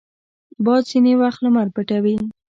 باد ځینې وخت لمر پټوي